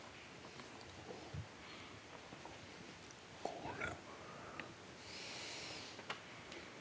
これ。